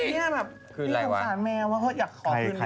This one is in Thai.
นี่คืออะไรวะพี่สงสารแมววะเขาอยากคอเผ็ด